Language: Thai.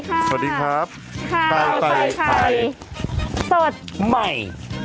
อาวาคสุภาพสถาสัตว์ตสัลตรไกรไม่